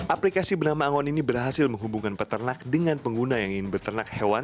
aplikasi bernama angon ini berhasil menghubungkan peternak dengan pengguna yang ingin berternak hewan